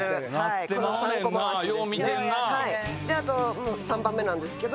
あと３番目なんですけど。